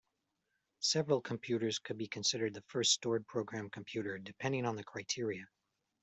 Several computers could be considered the first stored-program computer, depending on the criteria.